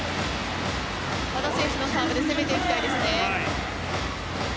和田選手のサーブで攻めていきたいですね。